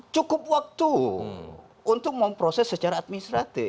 cukup waktu untuk memproses secara administratif